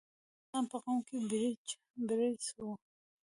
شېخ بُستان په قوم بړیڅ وو.